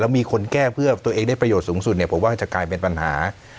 มีคนแก้เพื่อตัวเองได้ประโยชน์สูงสุดเนี่ยผมว่าจะกลายเป็นปัญหา